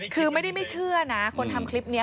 คือไม่ได้ไม่เชื่อนะคนทำคลิปนี้